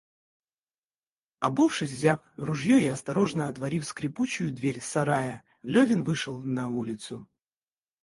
Обувшись, взяв ружье и осторожно отворив скрипучую дверь сарая, Левин вышел на улицу.